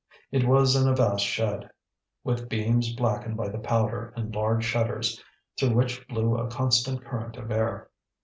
It was in a vast shed, with beams blackened by the powder, and large shutters, through which blew a constant current of air.